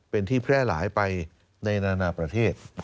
เป็นที่แพร่หลายไปในนานาประเทศ